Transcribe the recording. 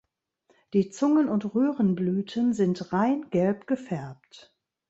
Die Zungen- und Röhrenblüten sind rein gelb gefärbt.